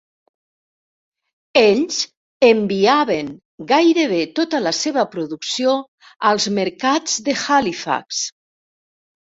Ells enviaven gairebé tota la seva producció als mercats de Halifax.